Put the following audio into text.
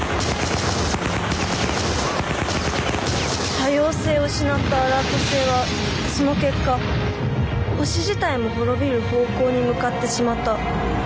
「多様性を失ったアラート星はその結果星自体も滅びる方向に向かってしまった。